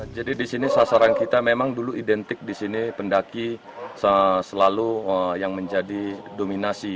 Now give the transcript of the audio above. jadi disini sasaran kita memang dulu identik disini pendaki selalu yang menjadi dominasi